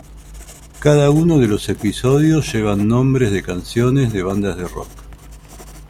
Cada uno de los episodios llevan nombres de canciones de bandas de rock.